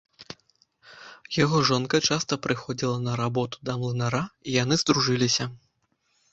Яго жонка часта прыходзіла на работу да млынара, і яны здружыліся.